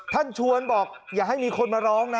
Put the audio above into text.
ท่านชวนบอกอย่าให้มีคนมาร้องนะ